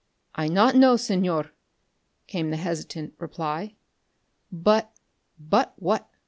"I not know, Señor," came the hesitant reply, "but...." "But what?"